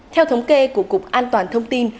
theo thống kê của cục an toàn thông tin